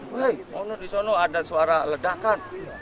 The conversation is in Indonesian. wey oh di sana ada suara ledakan